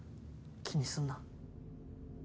気にすんな。